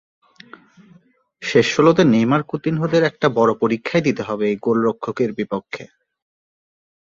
শেষ ষোলোতে নেইমার কুতিনহোদের একটা বড় পরীক্ষাই দিতে হবে এই গোলরক্ষকের বিপক্ষে।